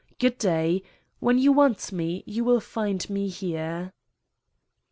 Good day; when you want me, you will find me here."